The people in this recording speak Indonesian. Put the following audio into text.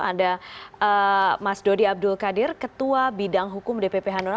ada mas dodi abdul qadir ketua bidang hukum dpp hanura